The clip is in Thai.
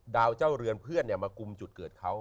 เจ้าเรือนเพื่อนมากุมจุดเกิดเขา